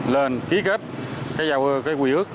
lên ký kết cái quy ước